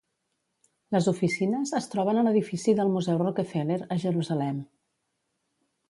Les oficines es troben a l'edifici del Museu Rockefeller, a Jerusalem.